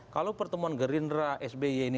kalau pertemuan gerindra sby ini